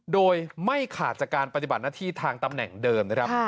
โดยไม่ขาดจากการปฏิบัติหน้าที่ทางตำแหน่งเดิมนะครับ